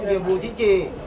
điều vụ chính trị